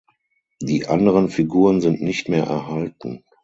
Die anderen Figuren sind nicht mehr erhalten.